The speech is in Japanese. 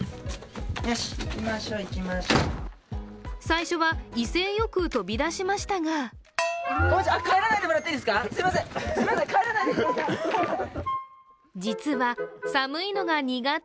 最初は威勢よく飛び出しましたが実は寒いのが苦手。